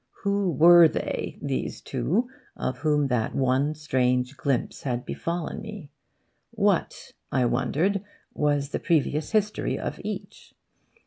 Who were they, those two of whom that one strange glimpse had befallen me? What, I wondered, was the previous history of each?